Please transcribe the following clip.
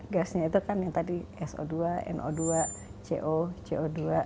gasnya itu kan yang tadi so dua no dua co co dua